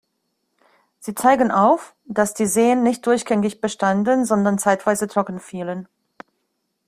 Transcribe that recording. Sie zeigen auf, dass die Seen nicht durchgängig bestanden, sondern zeitweise trocken fielen.